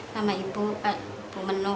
sama ibu ibu menu